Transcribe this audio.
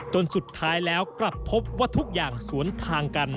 จนสุดท้ายแล้วกลับพบว่าทุกอย่างสวนทางกัน